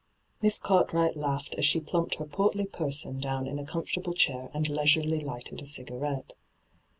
Miss Ciuiiwright laughed as she plumped her portly person down in a comfortable chair and leisurely lighted a cigarette.